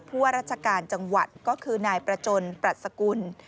ว่าราชการจังหวัดก็คือนายประจนปรัชกุล